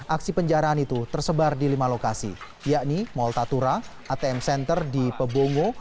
aksi penjarahan itu tersebar di lima lokasi yakni mall tatura atm center di pebongo